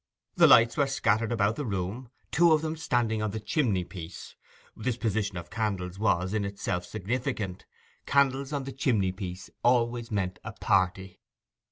The lights were scattered about the room, two of them standing on the chimney piece. This position of candles was in itself significant. Candles on the chimney piece always meant a party.